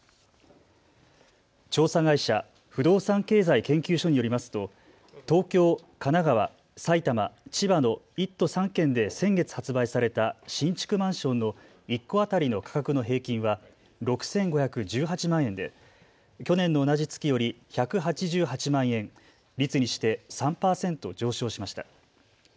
調査会社、不動産経済研究所によりますと東京、神奈川、埼玉、千葉の１都３県で先月、発売された新築マンションの１戸当たりの価格の平均は６５１８万円で去年の同じ月より１８８万円、率にして３％上昇しました。